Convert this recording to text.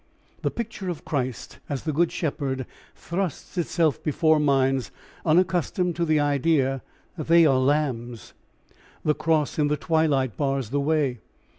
The picture of Christ as the Good Shepherd thrusts itself before minds unaccustomed to the idea that they are lambs. The cross in the twilight bars the way.